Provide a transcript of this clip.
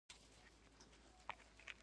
ایا زه باید د کولمو عملیات وکړم؟